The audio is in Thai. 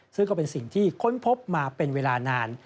ซึ่งก็เป็นสิ่งที่ค้นพบมาเป็นเวลานาน